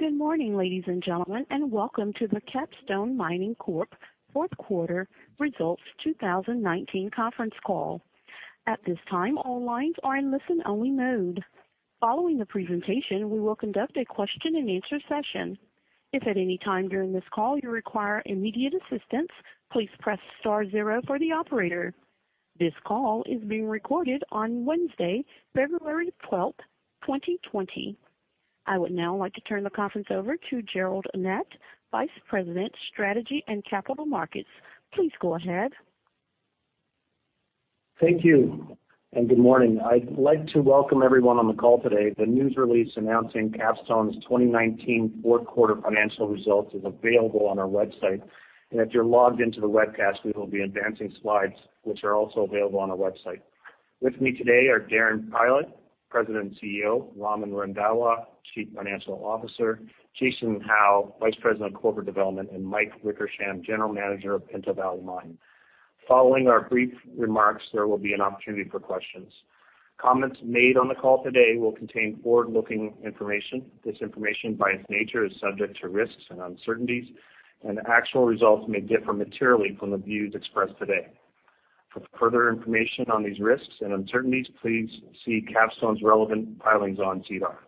Good morning, ladies and gentlemen, and welcome to the Capstone Copper Corp. fourth quarter results 2019 conference call. At this time, all lines are in listen-only mode. Following the presentation, we will conduct a question and answer session. If at any time during this call you require immediate assistance, please press star zero for the operator. This call is being recorded on Wednesday, February 12, 2020. I would now like to turn the conference over to Jerrold Annett, Vice President, Strategy and Capital Markets. Please go ahead. Thank you, and good morning. I'd like to welcome everyone on the call today. The news release announcing Capstone's 2019 fourth quarter financial results is available on our website, and if you're logged in to the webcast, we will be advancing slides which are also available on our website. With me today are Darren Pylot, President and CEO, Raman Randhawa, Chief Financial Officer, Jason Howe, Vice President of Corporate Development, and Mike Wickersham, General Manager of Pinto Valley Mine. Following our brief remarks, there will be an opportunity for questions. Comments made on the call today will contain forward-looking information. This information, by its nature, is subject to risks and uncertainties, and actual results may differ materially from the views expressed today. For further information on these risks and uncertainties, please see Capstone's relevant filings on SEDAR.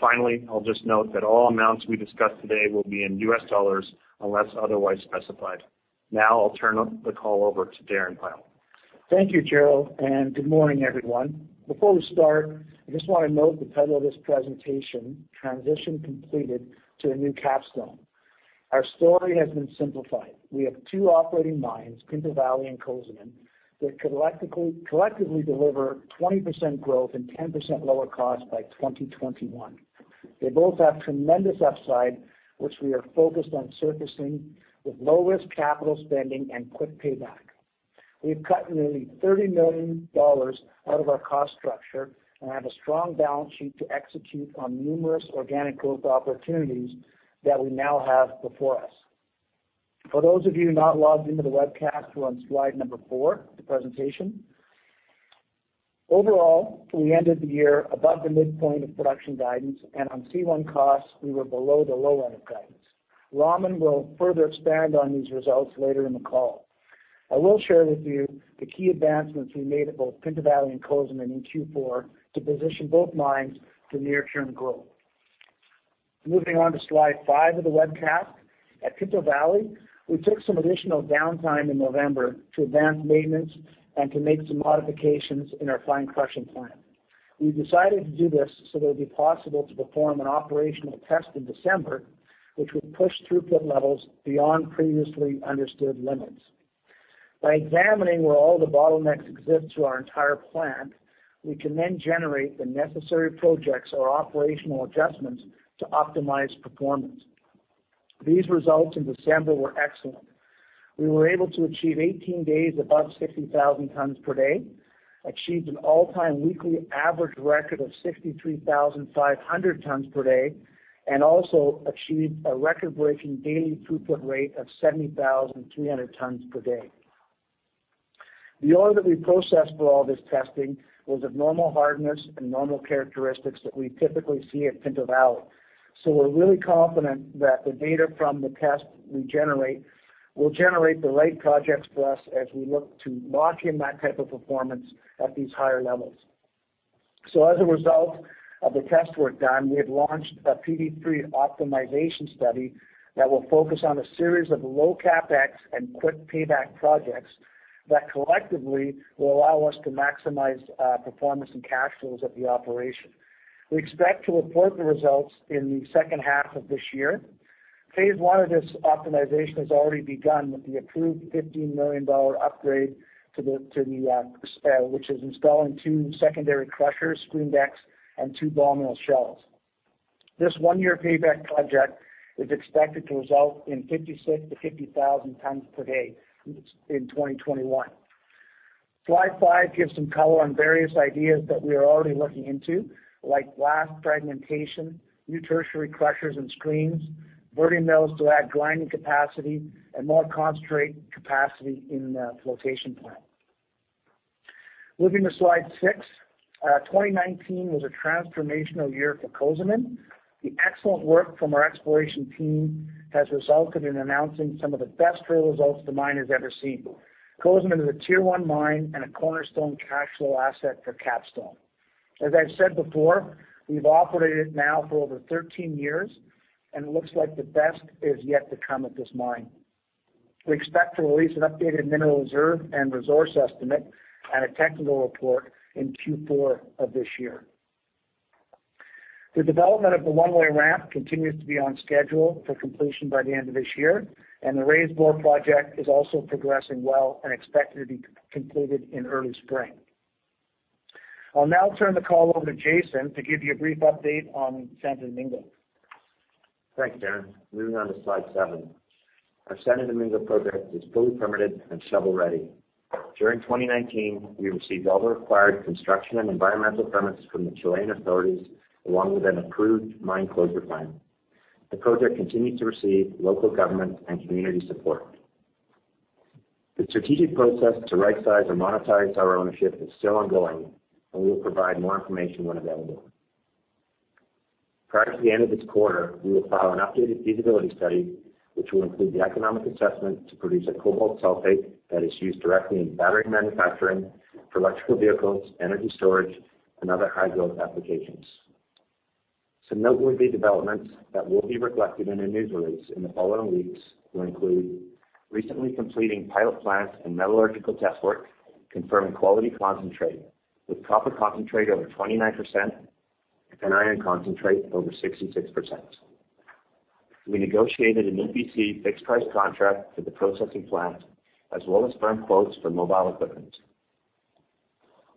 Finally, I'll just note that all amounts we discuss today will be in US dollars unless otherwise specified. Now I'll turn the call over to Darren Pylot. Thank you, Jerrold, and good morning, everyone. Before we start, I just want to note the title of this presentation, Transition Completed to a New Capstone. Our story has been simplified. We have two operating mines, Pinto Valley and Cozamin, that collectively deliver 20% growth and 10% lower cost by 2021. They both have tremendous upside, which we are focused on surfacing with low-risk capital spending and quick payback. We've cut nearly $30 million out of our cost structure and have a strong balance sheet to execute on numerous organic growth opportunities that we now have before us. For those of you not logged into the webcast, we're on slide number four of the presentation. Overall, we ended the year above the midpoint of production guidance, and on C1 costs, we were below the low end of guidance. Raman will further expand on these results later in the call. I will share with you the key advancements we made at both Pinto Valley and Cozamin in Q4 to position both mines for near-term growth. Moving on to slide five of the webcast. At Pinto Valley, we took some additional downtime in November to advance maintenance and to make some modifications in our fine crushing plant. We decided to do this so that it would be possible to perform an operational test in December, which would push throughput levels beyond previously understood limits. By examining where all the bottlenecks exist through our entire plant, we can generate the necessary projects or operational adjustments to optimize performance. These results in December were excellent. We were able to achieve 18 days above 60,000 tons per day, achieved an all-time weekly average record of 63,500 tons per day, and also achieved a record-breaking daily throughput rate of 70,300 tons per day. The ore that we processed for all this testing was of normal hardness and normal characteristics that we typically see at Pinto Valley. We're really confident that the data from the test we generate will generate the right projects for us as we look to lock in that type of performance at these higher levels. As a result of the test work done, we have launched a PV3 optimization study that will focus on a series of low CapEx and quick payback projects that collectively will allow us to maximize performance and cash flows of the operation. We expect to report the results in the second half of this year. Phase one of this optimization has already begun with the approved $15 million upgrade, which is installing two secondary crushers, screen decks, and two ball mill shells. This one-year payback project is expected to result in 56-50,000 tons per day in 2021. Slide five gives some color on various ideas that we are already looking into, like blast fragmentation, new tertiary crushers and screens, balling mills to add grinding capacity, and more concentrate capacity in the flotation plant. Moving to slide six. 2019 was a transformational year for Cozamin. The excellent work from our exploration team has resulted in announcing some of the best drill results the mine has ever seen. Cozamin is a Tier 1 mine and a cornerstone cash flow asset for Capstone. As I've said before, we've operated it now for over 13 years, and it looks like the best is yet to come at this mine. We expect to release an updated mineral reserve and resource estimate and a technical report in Q4 of this year. The development of the one-way ramp continues to be on schedule for completion by the end of this year, and the raise bore project is also progressing well and expected to be completed in early spring. I'll now turn the call over to Jason to give you a brief update on Santo Domingo. Thanks, Darren. Moving on to slide seven. Our Santo Domingo project is fully permitted and shovel-ready. During 2019, we received all the required construction and environmental permits from the Chilean authorities, along with an approved mine closure plan. The project continued to receive local government and community support. The strategic process to rightsize or monetize our ownership is still ongoing, and we will provide more information when available. Prior to the end of this quarter, we will file an updated feasibility study, which will include the economic assessment to produce a cobalt sulfate that is used directly in battery manufacturing for electrical vehicles, energy storage, and other high-growth applications. Some noteworthy developments that will be reflected in a news release in the following weeks will include recently completing pilot plant and metallurgical test work confirming quality concentrate with copper concentrate over 29% and iron concentrate over 66%. We negotiated an EPC fixed price contract for the processing plant, as well as firm quotes for mobile equipment.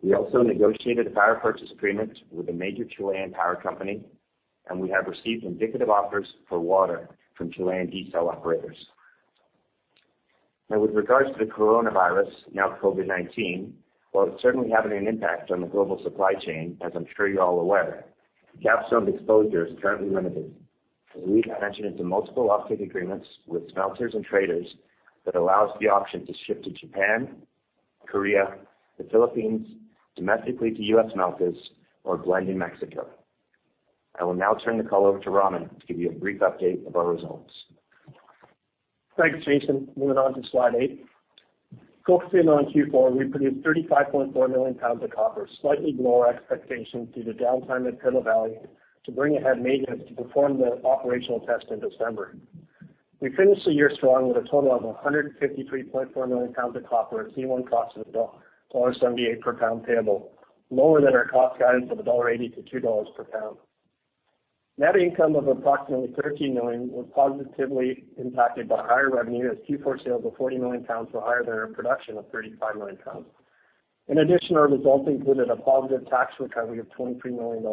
We also negotiated a power purchase agreement with a major Chilean power company. We have received indicative offers for water from Chilean diesel operators. With regards to the coronavirus, now COVID-19, while it's certainly having an impact on the global supply chain, as I'm sure you all are aware, Capstone exposure is currently limited, as we have entered into multiple offtake agreements with smelters and traders that allows the option to ship to Japan, Korea, the Philippines, domestically to U.S. smelters, or Glenn, New Mexico. I will now turn the call over to Raman to give you a brief update of our results. Thanks, Jason. Moving on to slide eight. Focusing on Q4, we produced 35.4 million pounds of copper, slightly below our expectations due to downtime at Pinto Valley to bring ahead maintenance to perform the operational test in December. We finished the year strong with a total of 153.4 million pounds of copper at C1 cost of $1.78 per pound payable, lower than our cost guidance of $1.80-$2 per pound. Net income of approximately $13 million was positively impacted by higher revenue as Q4 sales of 40 million pounds were higher than our production of 35 million pounds. In addition, our results included a positive tax recovery of $23 million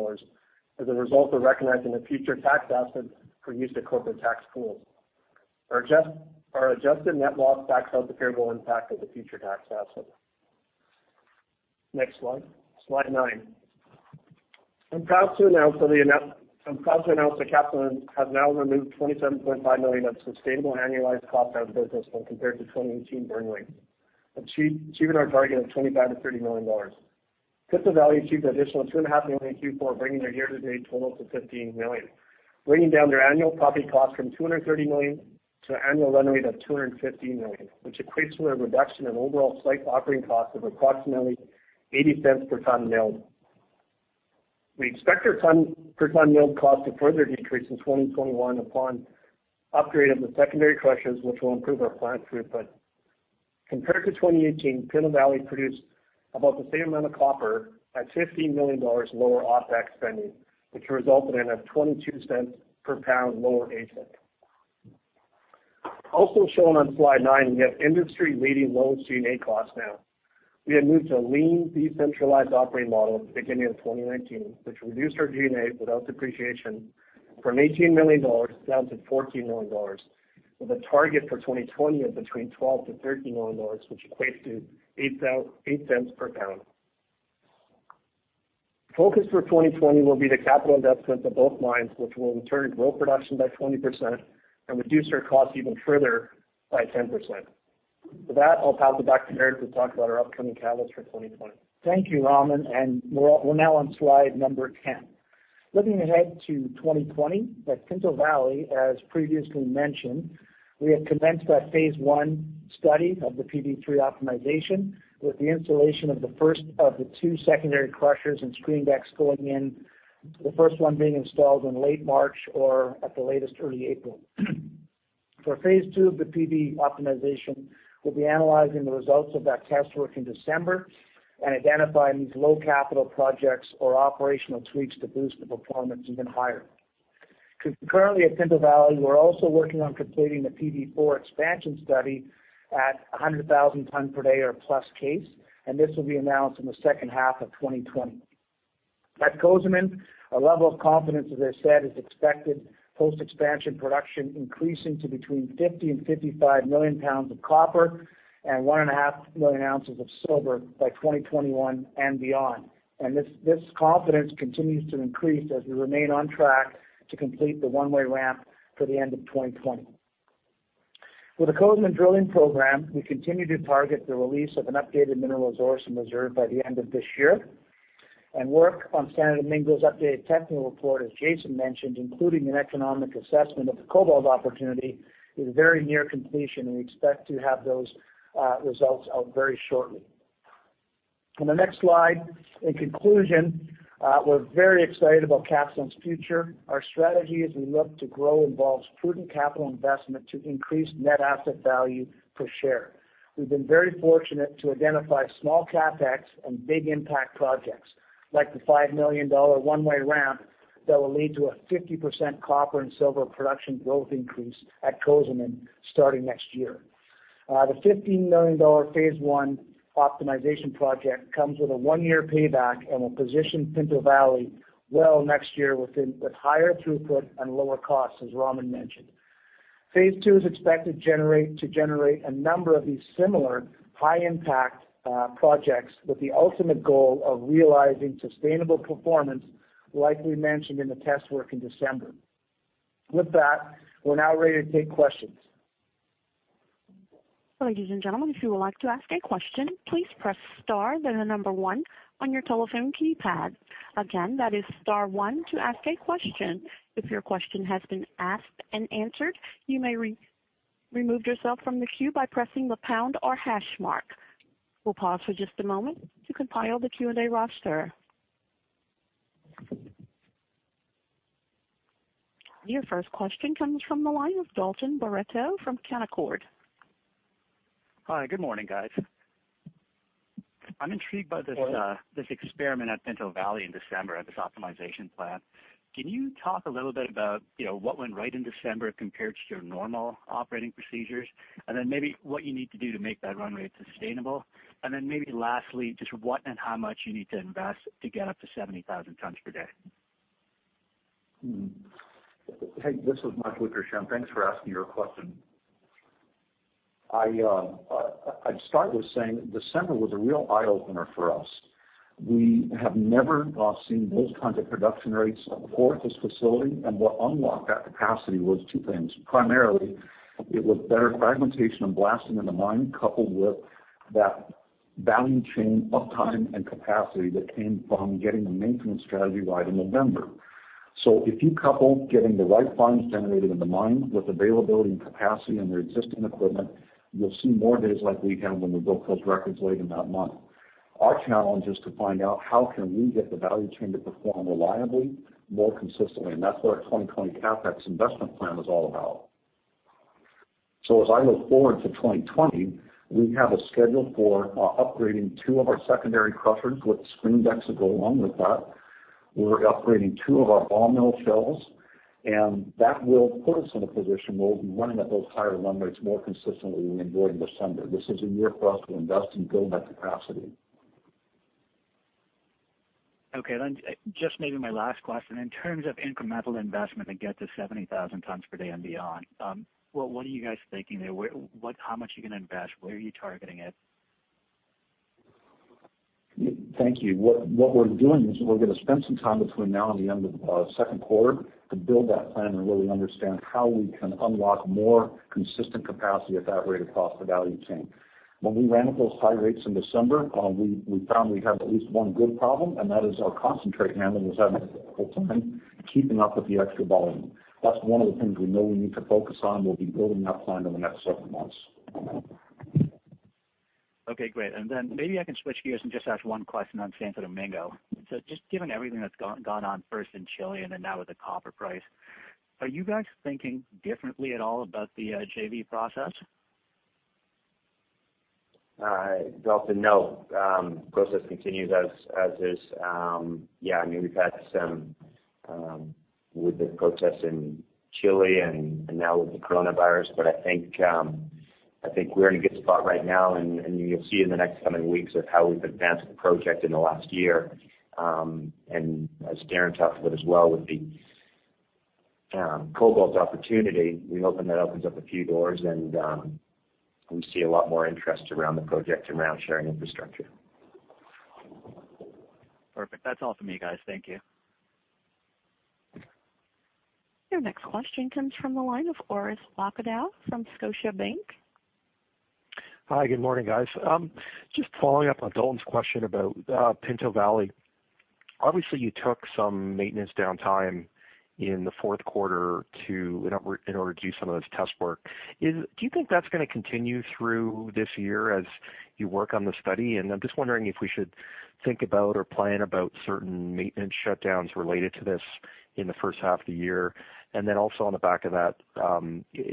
as a result of recognizing the future tax asset for use of corporate tax pools. Our adjusted net loss backs out the variable impact of the future tax asset. Next slide nine. I'm proud to announce that Capstone has now removed $27.5 million of sustainable annualized costs out of the business when compared to 2018 burn rate, achieving our target of $25 million-$30 million. Pinto Valley achieved an additional $2.5 million in Q4, bringing their year-to-date total to $15 million, bringing down their annual property cost from $230 million to annual run rate of $215 million, which equates to a reduction in overall site operating cost of approximately $0.80 per ton milled. We expect our per ton milled cost to further decrease in 2021 upon upgrade of the secondary crushers, which will improve our plant throughput. Compared to 2018, Pinto Valley produced about the same amount of copper at $15 million lower OpEx spending, which resulted in a $0.22 per pound lower AISC. Also shown on slide nine, we have industry-leading low G&A costs now. We had moved to a lean, decentralized operating model at the beginning of 2019, which reduced our G&A without depreciation from $18 million down to $14 million, with a target for 2020 of between $12 million-$13 million, which equates to $0.08 per pound. Focus for 2020 will be the capital investments of both mines, which will in turn grow production by 20% and reduce our cost even further by 10%. With that, I'll pass it back to Darren to talk about our upcoming catalysts for 2020. Thank you, Raman. We're now on slide number 10. Looking ahead to 2020, at Pinto Valley, as previously mentioned, we have commenced that phase one study of the PV3 optimization with the installation of the first of the two secondary crushers and screen decks going in, the first one being installed in late March or at the latest, early April. For phase two of the PV optimization, we'll be analyzing the results of that test work in December and identifying low capital projects or operational tweaks to boost the performance even higher. Concurrently at Pinto Valley, we're also working on completing the PV4 expansion study at 100,000 tons per day or plus case, this will be announced in the second half of 2020. At Cozamin, our level of confidence, as I said, is expected post-expansion production increasing to between 50 and 55 million pounds of copper and one and a half million ounces of silver by 2021 and beyond. This confidence continues to increase as we remain on track to complete the one-way ramp for the end of 2020. With the Cozamin drilling program, we continue to target the release of an updated mineral resource and reserve by the end of this year. Work on Santo Domingo's updated technical report, as Jason mentioned, including an economic assessment of the cobalt opportunity, is very near completion. We expect to have those results out very shortly. On the next slide, in conclusion, we're very excited about Capstone's future. Our strategy as we look to grow involves prudent capital investment to increase net asset value per share. We've been very fortunate to identify small CapEx and big impact projects like the $5 million one-way ramp that will lead to a 50% copper and silver production growth increase at Cozamin starting next year. The $15 million phase one optimization project comes with a one-year payback and will position Pinto Valley well next year with higher throughput and lower costs, as Raman mentioned. Phase two is expected to generate a number of these similar high-impact projects with the ultimate goal of realizing sustainable performance, like we mentioned in the test work in December. With that, we're now ready to take questions. Ladies and gentlemen, if you would like to ask a question, please press star, then the number one on your telephone keypad. Again, that is star one to ask a question. If your question has been asked and answered, you may remove yourself from the queue by pressing the pound or hash mark. We'll pause for just a moment to compile the Q&A roster. Your first question comes from the line of Dalton Baretto from Canaccord. Hi, good morning, guys. I'm intrigued by this. Morning this experiment at Pinto Valley in December, this optimization plan. Can you talk a little bit about what went right in December compared to your normal operating procedures, and then maybe what you need to do to make that runway sustainable? Maybe lastly, just what and how much you need to invest to get up to 70,000 tons per day. Hey, this is Mike Wickersham. Thanks for asking your question. I'd start with saying December was a real eye-opener for us. We have never seen those kinds of production rates before at this facility, and what unlocked that capacity was two things. Primarily, it was better fragmentation and blasting in the mine, coupled with that value chain uptime and capacity that came from getting the maintenance strategy right in November. If you couple getting the right fines generated in the mine with availability and capacity in their existing equipment, you'll see more days like we had when we broke those records late in that month. Our challenge is to find out how can we get the value chain to perform reliably, more consistently, and that's what our 2020 CapEx investment plan was all about. As I look forward to 2020, we have a schedule for upgrading two of our secondary crushers with screen decks that go along with that. We're upgrading two of our ball mill shells, and that will put us in a position where we'll be running at those higher run rates more consistently than we did in December. This is a year for us to invest in building that capacity. Okay, just maybe my last question, in terms of incremental investment to get to 70,000 tons per day and beyond, what are you guys thinking there? How much are you going to invest? Where are you targeting it? Thank you. What we're doing is we're going to spend some time between now and the end of the second quarter to build that plan and really understand how we can unlock more consistent capacity at that rate across the value chain. When we ran at those high rates in December, we found we have at least one good problem, and that is our concentrate handle was having a difficult time keeping up with the extra volume. That's one of the things we know we need to focus on. We'll be building that plan in the next several months. Okay, great. Maybe I can switch gears and just ask one question on Santo Domingo. Just given everything that's gone on, first in Chile and then now with the copper price, are you guys thinking differently at all about the JV process? Dalton, no. Process continues as is. We've had some with the protests in Chile and now with the coronavirus. I think we're in a good spot right now. You'll see in the next coming weeks of how we've advanced the project in the last year. As Darren talked about as well with the cobalt opportunity, we're hoping that opens up a few doors. We see a lot more interest around the project, around sharing infrastructure. Perfect. That's all from me, guys. Thank you. Your next question comes from the line of Orest Wowkodaw from Scotiabank. Hi, good morning, guys. Just following up on Dalton's question about Pinto Valley. Obviously, you took some maintenance downtime in the fourth quarter in order to do some of this test work. Do you think that's going to continue through this year as you work on the study? I'm just wondering if we should think about or plan about certain maintenance shutdowns related to this in the first half of the year. Also on the back of that,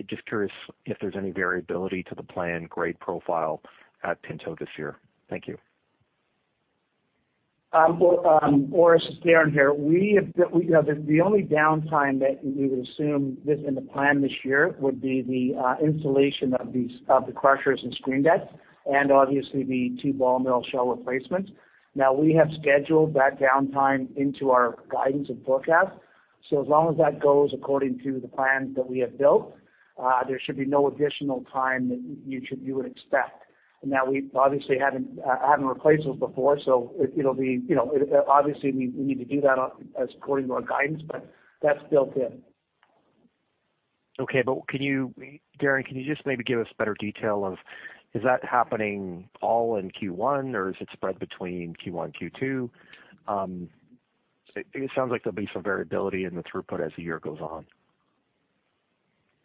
just curious if there's any variability to the plan grade profile at Pinto this year. Thank you. Orest, this is Darren here. The only downtime that we would assume that's in the plan this year would be the installation of the crushers and screen decks, and obviously the two ball mill shell replacements. We have scheduled that downtime into our guidance and forecast. As long as that goes according to the plans that we have built, there should be no additional time that you would expect. We obviously haven't replaced those before, so obviously, we need to do that according to our guidance, but that's built in. Okay. Darren, can you just maybe give us better detail of, is that happening all in Q1, or is it spread between Q1, Q2? It sounds like there'll be some variability in the throughput as the year goes on.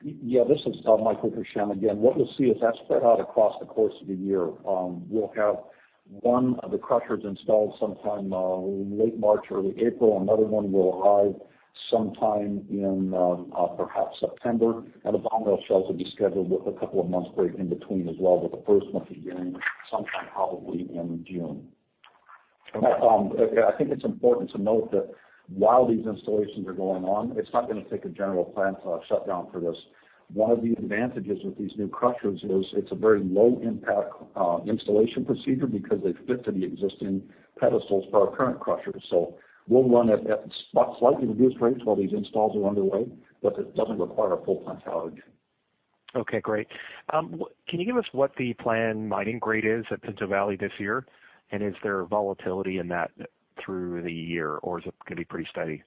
Yeah, this is Mike Wickersham again. What you'll see is that spread out across the course of the year. We'll have one of the crushers installed sometime late March, early April. Another one will arrive sometime in perhaps September. The ball mill shells will be scheduled with a couple of months break in between as well, with the first one beginning sometime probably in June. In fact, I think it's important to note that while these installations are going on, it's not going to take a general plant shutdown for this. One of the advantages with these new crushers is it's a very low impact installation procedure because they fit to the existing pedestals for our current crusher. We'll run at slightly reduced rates while these installs are underway, but it doesn't require a full plant outage. Okay, great. Can you give us what the planned mining grade is at Pinto Valley this year? Is there volatility in that through the year, or is it going to be pretty steady?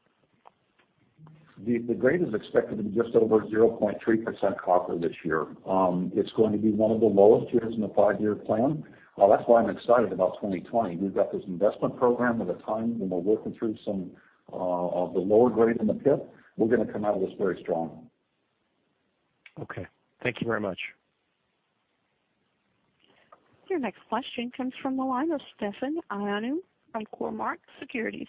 The grade is expected to be just over 0.3% copper this year. It's going to be one of the lowest years in the five-year plan. That's why I'm excited about 2020. We've got this investment program at a time when we're working through some of the lower grades in the pit. We're going to come out of this very strong. Okay. Thank you very much. Your next question comes from the line of Stefan Ioannou from Cormark Securities.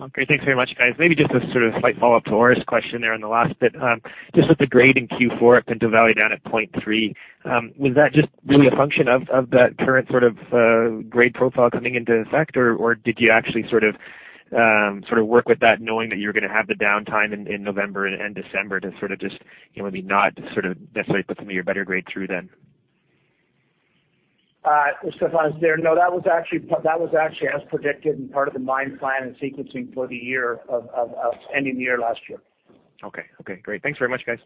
Okay, thanks very much, guys. Maybe just a sort of slight follow-up to Orest's question there on the last bit. Just with the grade in Q4 at Pinto Valley down at 0.3%. Was that just really a function of that current grade profile coming into effect, or did you actually work with that knowing that you were going to have the downtime in November and December to sort of just maybe not necessarily put some of your better grade through then? Stefan, it's Darren. No, that was actually as predicted and part of the mine plan and sequencing for the year of ending the year last year. Okay. Great. Thanks very much, guys.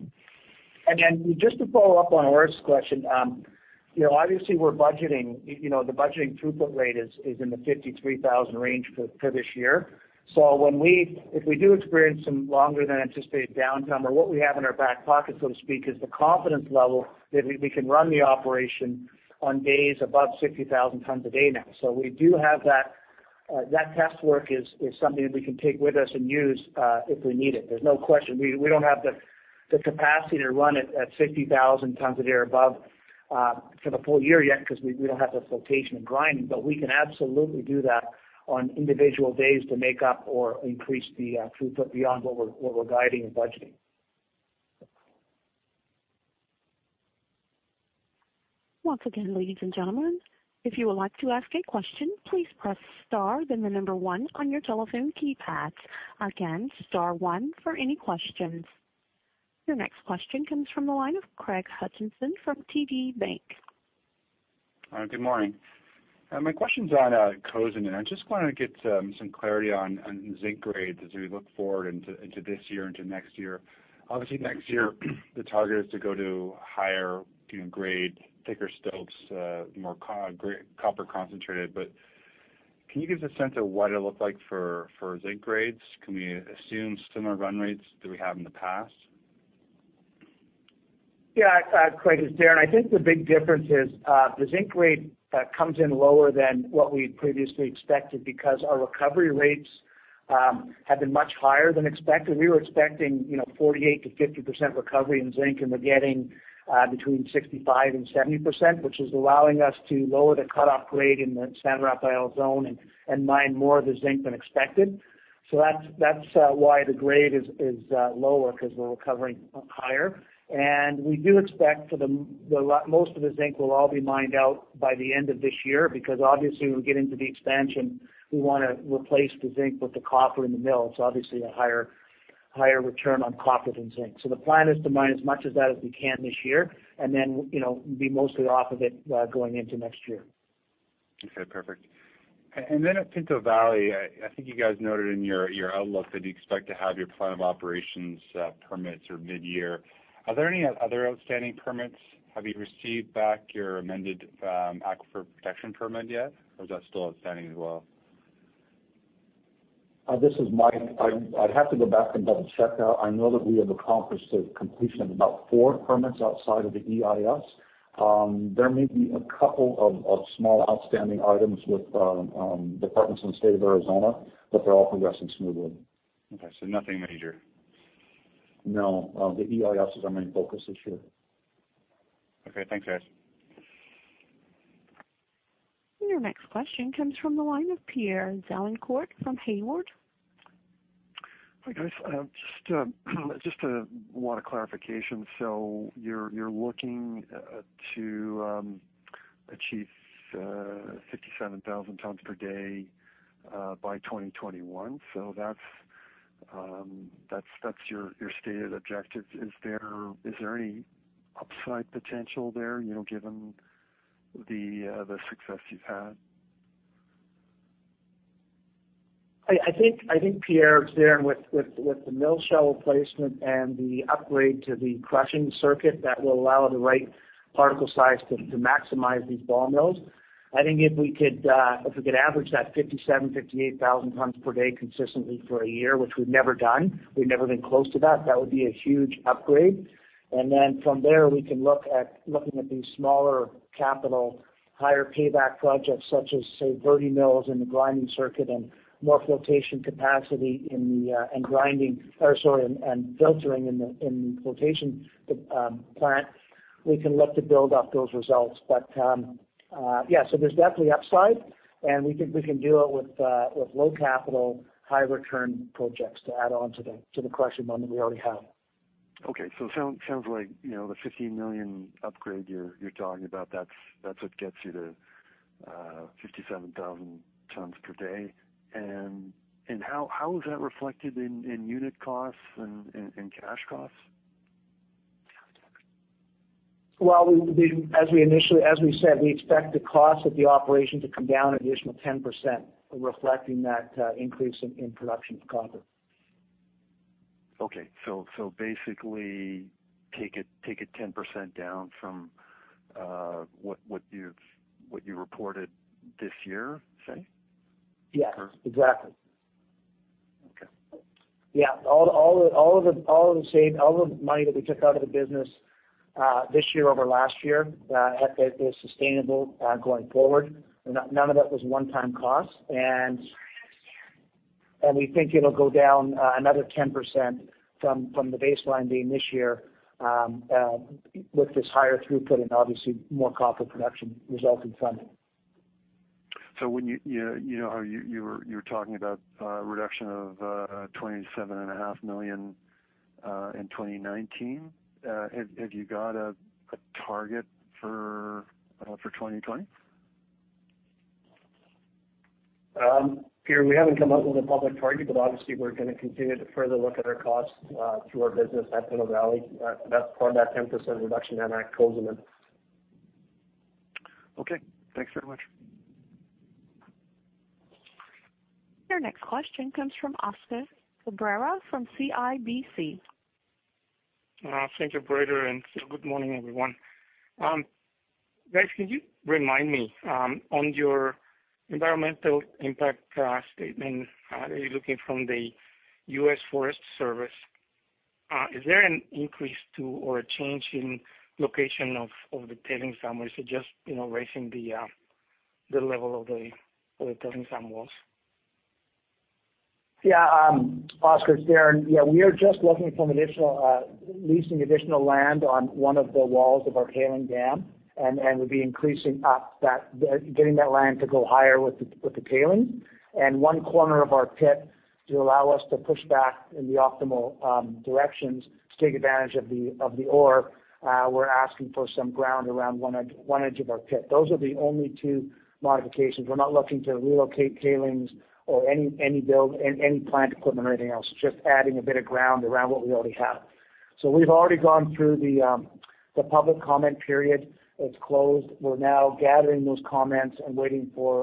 Just to follow up on Orest's question. Obviously, the budgeting throughput rate is in the 53,000 range for this year. If we do experience some longer than anticipated downtime or what we have in our back pocket, so to speak, is the confidence level that we can run the operation on days above 60,000 tons a day now. We do have that test work is something that we can take with us and use if we need it. There's no question. We don't have the capacity to run it at 60,000 tons a day or above for the full year yet because we don't have the flotation and grinding, we can absolutely do that on individual days to make up or increase the throughput beyond what we're guiding and budgeting. Once again, ladies and gentlemen, if you would like to ask a question, please press star then the number one on your telephone keypad. Again, star one for any questions. Your next question comes from the line of Craig Hutchison from TD Securities. Good morning. My question is on Cozamin, and I just wanted to get some clarity on zinc grades as we look forward into this year, into next year. Obviously next year, the target is to go to higher grade, thicker stopes, more copper concentrated. Can you give us a sense of what it'll look like for zinc grades? Can we assume similar run rates that we have in the past? Yeah, Craig, it's Darren. I think the big difference is the zinc grade comes in lower than what we had previously expected because our recovery rates have been much higher than expected. We were expecting 48%-50% recovery in zinc, we're getting between 65% and 70%, which is allowing us to lower the cutoff grade in the San Rafael zone and mine more of the zinc than expected. That's why the grade is lower because we're recovering higher. We do expect most of the zinc will all be mined out by the end of this year, because obviously when we get into the expansion, we want to replace the zinc with the copper in the mill. It's obviously a higher return on copper than zinc. The plan is to mine as much of that as we can this year, and then, be mostly off of it going into next year. Okay, perfect. At Pinto Valley, I think you guys noted in your outlook that you expect to have your plan of operations permits for mid-year. Are there any other outstanding permits? Have you received back your amended Aquifer Protection Permit yet, or is that still outstanding as well? This is Mike. I'd have to go back and double-check that. I know that we have accomplished the completion of about four permits outside of the EIS. There may be a couple of small outstanding items with departments in the state of Arizona, but they're all progressing smoothly. Okay, nothing major. No. The EIS is our main focus this year. Okay. Thanks, guys. Your next question comes from the line of Pierre Vaillancourt from Haywood Securities. Hi, guys. Just a lot of clarification. You're looking to achieve 57,000 tons per day by 2021. That's your stated objective. Is there any upside potential there, given the success you've had? I think, Pierre, it's Darren, with the mill shell placement and the upgrade to the crushing circuit, that will allow the right particle size to maximize these ball mills. I think if we could average that 57,000, 58,000 tons per day consistently for a year, which we've never done, we've never been close to that would be a huge upgrade. Then from there, we can look at looking at these smaller capital, higher payback projects such as, say, Vertimill in the grinding circuit and more flotation capacity and filtering in the flotation plant. We can look to build up those results. Yeah, so there's definitely upside, and we think we can do it with low capital, high return projects to add on to the crushing one that we already have. Okay, sounds like the $15 million upgrade you're talking about, that's what gets you to 57,000 tons per day. How is that reflected in unit costs and cash costs? Well, as we said, we expect the cost of the operation to come down an additional 10%, reflecting that increase in production of copper. Okay. Basically, take it 10% down from what you reported this year, say? Yes. Exactly. Okay. Yeah. All of the money that we took out of the business this year over last year is sustainable going forward. None of that was one-time cost, and we think it'll go down another 10% from the baseline being this year, with this higher throughput and obviously more copper production resulting from it. You were talking about a reduction of $27.5 million in 2019. Have you got a target for 2020? Pierre, we haven't come up with a public target, but obviously we're going to continue to further look at our costs through our business at Pinto Valley. That's part of that 10% reduction in our COGS. Okay. Thanks very much. Your next question comes from Oscar Cabrera from CIBC. Thank you, operator, and good morning, everyone. Guys, can you remind me, on your environmental impact statement, looking from the U.S. Forest Service, is there an increase to or a change in location of the tailings dam, or is it just raising the level of the tailings dam walls? Yeah, Oscar, it's Darren. We are just looking from leasing additional land on one of the walls of our tailing dam, and we'd be getting that land to go higher with the tailings, and one corner of our pit to allow us to push back in the optimal directions to take advantage of the ore. We're asking for some ground around one edge of our pit. Those are the only two modifications. We're not looking to relocate tailings or any plant equipment or anything else. It's just adding a bit of ground around what we already have. We've already gone through the public comment period. It's closed. We're now gathering those comments and waiting for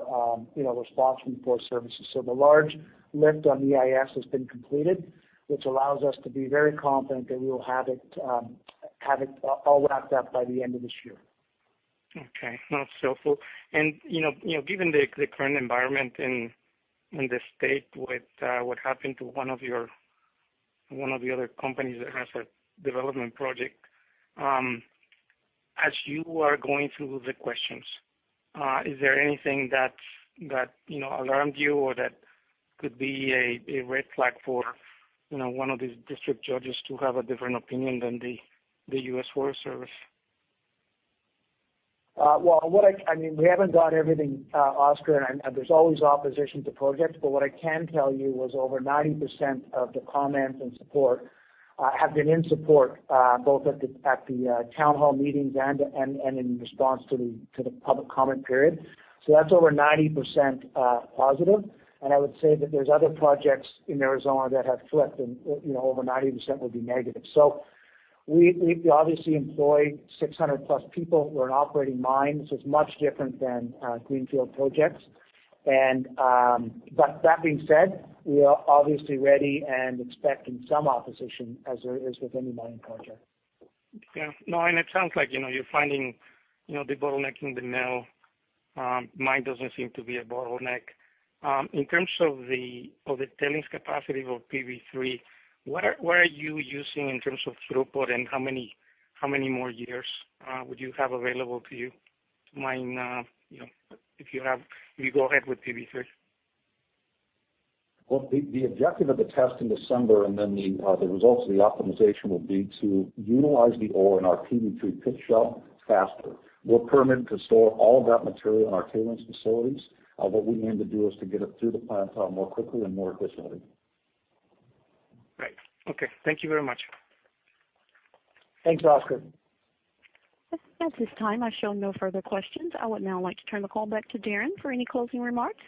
response from U.S. Forest Service. The large lift on EIS has been completed, which allows us to be very confident that we will have it all wrapped up by the end of this year. Okay. Given the current environment in the state with what happened to one of the other companies that has a development project, as you are going through the questions, is there anything that alarmed you or that could be a red flag for one of these district judges to have a different opinion than the U.S. Forest Service? We haven't got everything, Oscar, there's always opposition to projects, but what I can tell you was over 90% of the comments and support have been in support, both at the town hall meetings and in response to the public comment period. That's over 90% positive, and I would say that there's other projects in Arizona that have flipped and over 90% would be negative. We obviously employ 600+ people. We're an operating mine, so it's much different than greenfield projects. That being said, we are obviously ready and expecting some opposition as there is with any mining project. Yeah. No, it sounds like you're finding the bottleneck in the mill. Mine doesn't seem to be a bottleneck. In terms of the tailings capacity of PV3, what are you using in terms of throughput, and how many more years would you have available to you to mine, if you go ahead with PV3? Well, the objective of the test in December and then the results of the optimization will be to utilize the ore in our PV2 pit shell faster. We're permitted to store all of that material in our tailings facilities. What we aim to do is to get it through the plant more quickly and more efficiently. Great. Okay. Thank you very much. Thanks, Oscar. At this time, I show no further questions. I would now like to turn the call back to Darren for any closing remarks.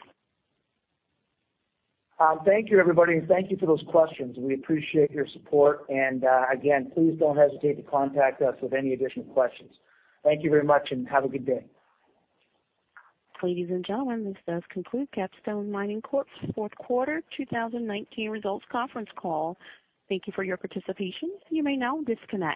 Thank you, everybody, and thank you for those questions. We appreciate your support. Again, please don't hesitate to contact us with any additional questions. Thank you very much and have a good day. Ladies and gentlemen, this does conclude Capstone Mining Corp's fourth quarter 2019 results conference call. Thank you for your participation. You may now disconnect.